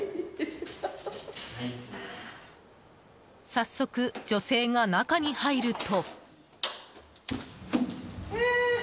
早速、女性が中に入ると。